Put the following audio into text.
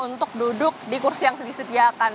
untuk duduk di kursi yang disediakan